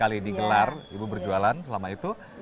tiga belas kali dikelar ibu berjualan selama itu